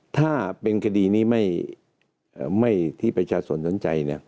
ถ้าเป็นคดีนี้ที่ประชาชนสนใจ